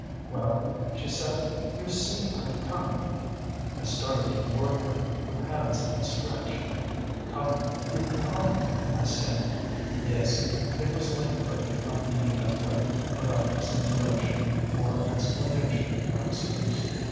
"'Well,' she said, 'you see I've come.' "I started toward her with hands outstretched. 'You've come you've come!' I stammered. "Yes; it was like her to come in that way without dissimulation or explanation or excuse.